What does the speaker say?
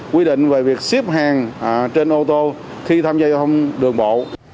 quy định về việc xếp hàng trên ô tô khi tham gia giao thông đường bộ